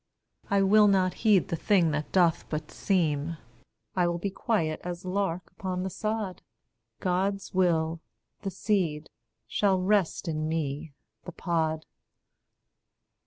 I will not heed the thing that doth but seem; I will be quiet as lark upon the sod; God's will, the seed, shall rest in me the pod.